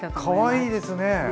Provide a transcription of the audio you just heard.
かわいいですね！